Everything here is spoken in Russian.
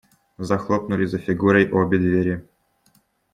Захлопнули за Фигурой обе двери.